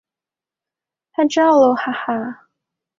拍照喽哈哈